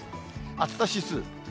暑さ指数。